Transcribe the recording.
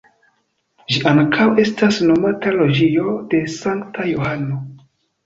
Ĝi ankaŭ estas nomata Loĝio de Sankta Johano.